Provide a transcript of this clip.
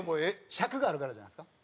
尺があるからじゃないですか？